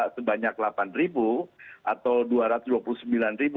kalau tak sebanyak rp delapan atau rp dua ratus dua puluh sembilan